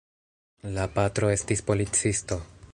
La patro estis policisto.